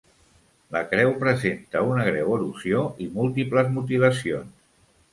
La creu presenta una greu erosió i múltiples mutilacions.